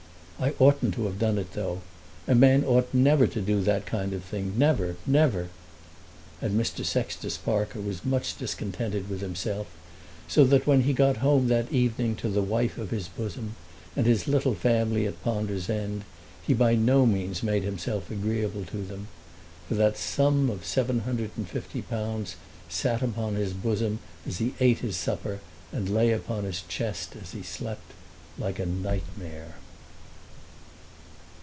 I oughtn't to have done it though! A man ought never to do that kind of thing; never, never!" And Mr. Sextus Parker was much discontented with himself, so that when he got home that evening to the wife of his bosom and his little family at Ponders End, he by no means made himself agreeable to them. For that sum of £750 sat upon his bosom as he ate his supper, and lay upon his chest as he slept, like a nightmare.